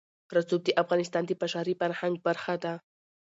رسوب د افغانستان د بشري فرهنګ برخه ده.